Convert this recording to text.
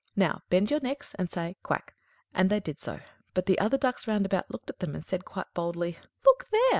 Now bend your necks and say 'Quack!'" And they did so: but the other ducks round about looked at them, and said quite boldly: "Look there!